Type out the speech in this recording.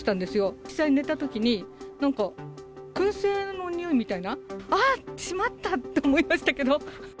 実際に寝たときに、なんか、くん製のにおいみたいな、あっ、しまった！と思いましたけど。